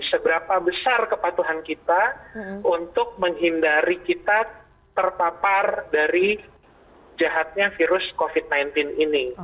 seberapa besar kepatuhan kita untuk menghindari kita terpapar dari jahatnya virus covid sembilan belas ini